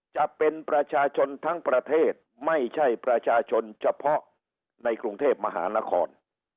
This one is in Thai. จะเป็นประชาชนทั้งประเทศไม่ใช่ประชาชนเฉพาะในกรุงเทพมหานคร